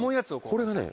これがね